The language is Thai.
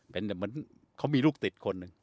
เป็นเหมือนเขามีลูกติดคนหนึ่ง